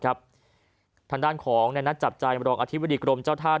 ท่านด้านของในนัดจับจ่ายกำลังอธิบดิกรมเจ้าท่า